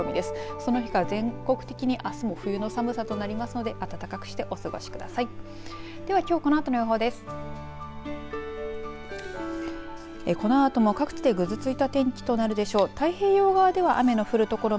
そのほか全国的にあす真冬の寒さとなりますので暖かくしてお過ごしください。